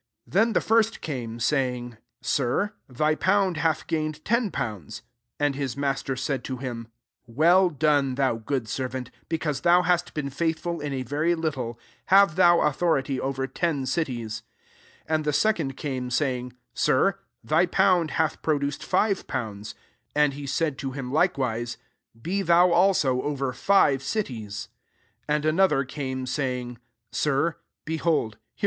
16 " Then the first came, say ing, * Sir, thy pound hath gain« ed ten pounds.' 17 And hh maater said to him, 'Well rfone, thou good servant : because thou hast been faithful in a very little, have thou authority over ten cities.' 18 And ^e second came, saying, •« Sir^ thy pound hath produced five pounds.' 19 And he said to him likewise, < Be thou also over five cities.' £0 And came, saying, * Sir, behold^ M thy pound, which I have K^ * a tinner, ue.